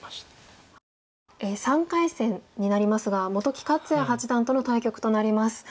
３回戦になりますが本木克弥八段との対局となります。